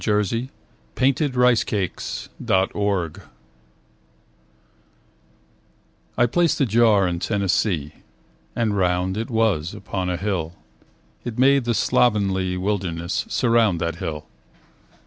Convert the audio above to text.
Wallace Stevens Anecdote of the Jar I PLACED a jar in Tennessee, And round it was, upon a hill. It made the slovenly wilderness Surround that hill.